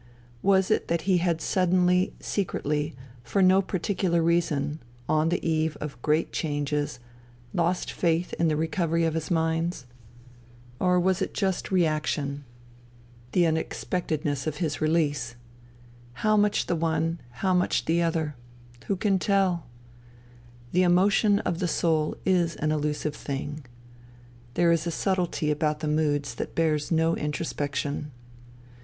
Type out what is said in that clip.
Was it that he had suddenly, secretly, for no par ticular reason, on the eve of great changes, lost faith in the recovery of his mines ? Or was it just reaction, 210 FUTILITY the unexpectedness of his release ? How much the one, how much the other, who can tell ? The emotion of the soul is an elusive thing. There is a subtlety about the moods that bears no introspection.